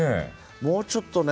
もうちょっとね